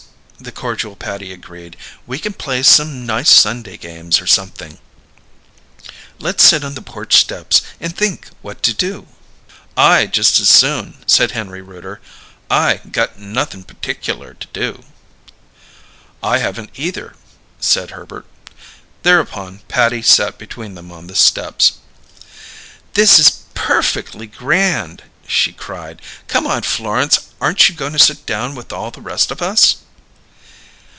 the cordial Patty agreed. "We can play some nice Sunday games, or something. Let's sit on the porch steps and think what to do." "I just as soon," said Henry Rooter. "I got nothin' p'ticular to do." "I haven't either," said Herbert. Thereupon, Patty sat between them on the steps. "This is per feckly grand!" she cried. "Come on, Florence, aren't you going to sit down with all the rest of us?"